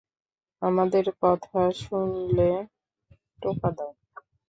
আমাদের কথা শুনলে টোকা দাও।